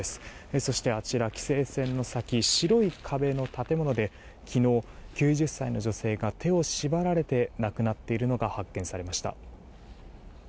そして、あちら規制線の先、白い壁の建物で昨日、９０歳の女性が手を縛られて亡くなっているのが発見されました。